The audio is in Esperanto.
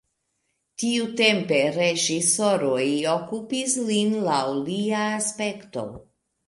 Tiutempe reĝisoroj okupis lin laŭ lia aspekto.